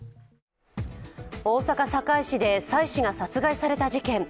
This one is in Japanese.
大阪・堺市で妻子が殺害された事件。